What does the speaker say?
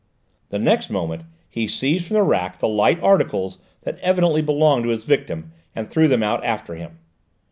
The next moment he seized from the rack the light articles that evidently belonged to his victim, and threw them out after him.